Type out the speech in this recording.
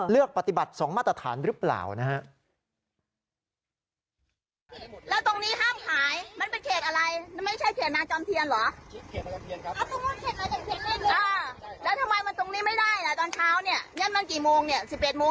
เลือกปฏิบัติ๒มาตรฐานหรือเปล่านะฮะ